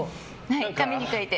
紙に書いて。